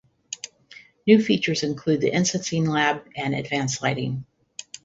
New features include the Instancing Lab and advanced lighting.